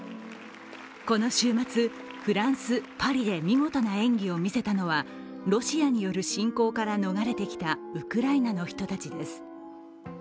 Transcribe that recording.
この週末、フランス・パリで見事な演技を見せたのはロシアによる侵攻から逃れてきたウクライナの人たちです。